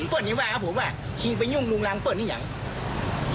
พื้นนี้บ๊าบคือผมว่าหิ้งไปยุ่งงงภาคหัวหรอก